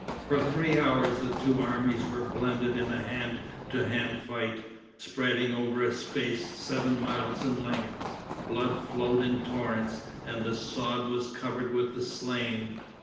For three hours the two armies were blended in a hand to hand fight, spreading over a space seven miles in length. Blood flowed in torrents, and the sod was covered with the slain.